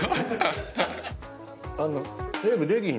あの。